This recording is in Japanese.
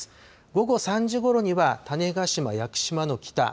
午後３時ごろには種子島、屋久島の北。